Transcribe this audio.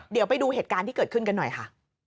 เดี๋ยวไปดูเหตุการณ์ที่เกิดขึ้นกันหน่อยค่ะ